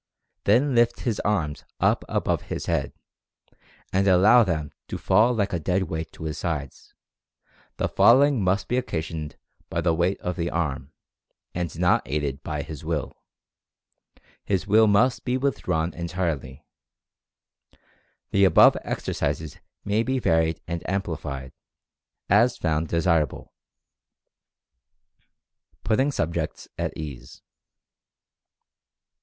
Then lift his arms up above his head, and allow them to fall like a dead weight to his sides — the falling must be occasioned by the weight of the arm, and not aided by his Will — his Will must be withdrawn en tirely. The above exercises may be varied and amplified, as found desirable. PUTTING SUBJECTS AT EASE.